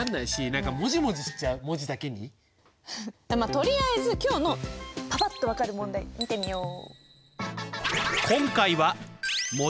とりあえず今日のパパっと分かる問題見てみよう。